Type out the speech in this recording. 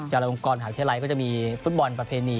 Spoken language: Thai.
ญาโลยงค์กรหาเทศไลก็จะมีฟู้ดบอลประเพณี